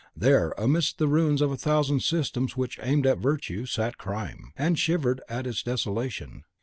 There, amidst the ruins of a thousand systems which aimed at virtue, sat Crime, and shivered at its desolation.